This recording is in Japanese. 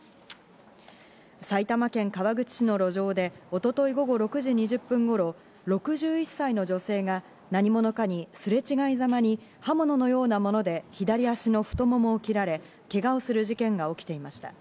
埼玉県川口市の路上で、一昨日午後６時２０分頃、６１歳の女性が何者かに、すれ違いざまに刃物のようなもので左足の太ももを切られ、けがをする事件が起きていました。